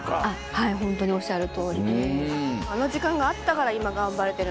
はいホントにおっしゃる通りで。